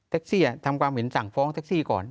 เท็กซี่อ่ะทำกว่าเหมือนสั่งฟ้องเท็กซี่ก่อน